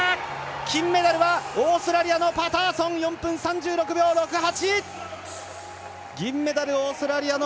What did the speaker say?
金メダルはオーストラリアのパターソン４分３６秒６８！